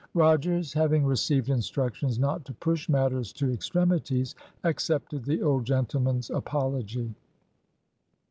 Rogers having received instructions not to push matters to extremities, accepted the old gentleman's apology.